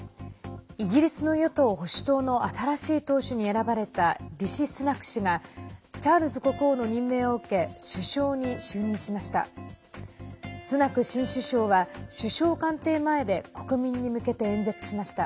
イギリスの与党・保守党の新しい党首に選ばれたリシ・スナク氏がチャールズ国王の任命を受け首相に就任しました。